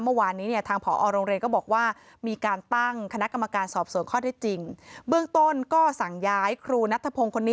เมื่อวานนี้ทางผ